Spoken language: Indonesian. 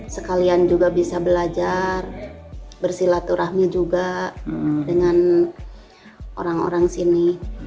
sekalian juga bisa belajar bersilaturahmi juga dengan orang orang sini